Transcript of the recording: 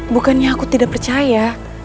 bukannya aku tidak percaya